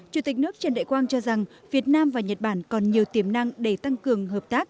chủ tịch nước trần đại quang cho rằng việt nam và nhật bản còn nhiều tiềm năng để tăng cường hợp tác